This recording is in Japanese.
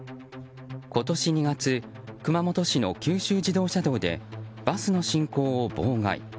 今年２月熊本市の九州自動車道でバスの進行を妨害。